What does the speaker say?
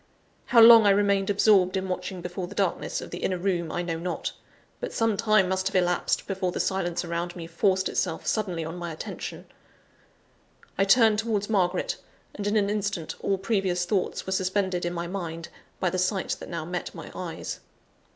How long I remained absorbed in watching before the darkness of the inner room, I know not but some time must have elapsed before the silence around me forced itself suddenly on my attention. I turned towards Margaret; and, in an instant, all previous thoughts were suspended in my mind, by the sight that now met my eyes.